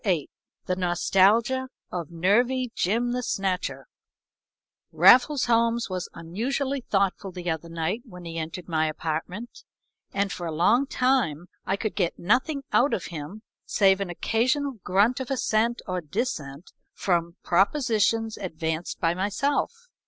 VIII "THE NOSTALGIA OF NERVY JIM THE SNATCHER" Raffles Holmes was unusually thoughtful the other night when he entered my apartment, and for a long time I could get nothing out of him save an occasional grunt of assent or dissent from propositions advanced by myself.